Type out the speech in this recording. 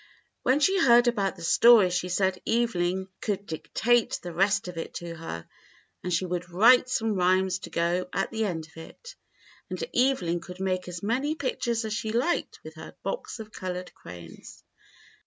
When she heard about the story she said Evelyn could dic tate the rest of it to her, and she would write some rhymes to go at the end of it, and Evelyn could make as many pictures as she liked with her box of colored crayons.